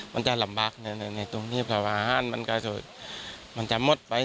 มันจะลำบากในตรงนี้เพราะว่าอาหารมันก็จะมดไป